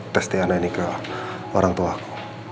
tes tiana ini ke orangtuaku